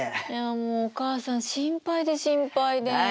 いやもうお母さん心配で心配で。